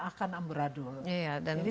akan ambrah dulu jadi